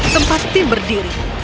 tempat tim berdiri